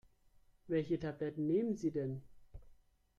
Welche Tabletten nehmen Sie denn?